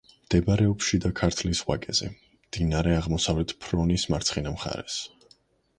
მდებარეობს შიდა ქართლის ვაკეზე, მდინარე აღმოსავლეთ ფრონის მარცხენა მხარეს.